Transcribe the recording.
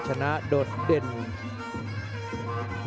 สวัสดีครับ